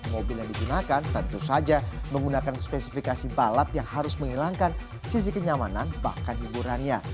mobil yang digunakan tentu saja menggunakan spesifikasi balap yang harus menghilangkan sisi kenyamanan bahkan hiburannya